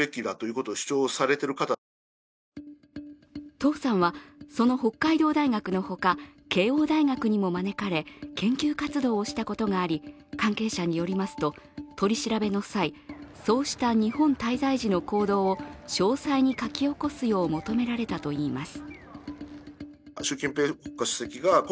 董さんはその北海道大学のほか慶応大学にも招かれ研究活動をしたことがあり、関係者によりますと、取り調べの際、そうした日本滞在時の行動を詳細に書き起こすよう求められたといいます。